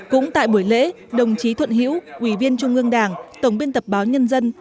cũng tại buổi lễ đồng chí thuận hiễu ủy viên trung ương đảng tổng biên tập báo nhân dân